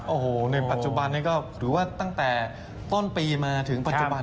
โอ้โหในปัจจุบันนี้ก็ถือว่าตั้งแต่ต้นปีมาถึงปัจจุบัน